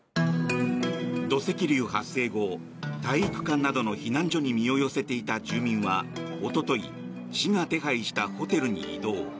土石流発生後体育館などの避難所に身を寄せていた住民はおととい市が手配したホテルに移動。